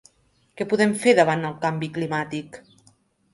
“Què podem fer davant el canvi climàtic?”.